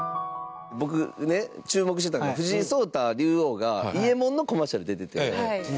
僕ね、注目してたのが藤井聡太竜王が伊右衛門のコマーシャル出てて。